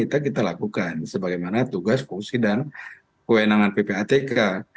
itu kita lakukan sebagaimana tugas fungsi dan kewenangan ppatk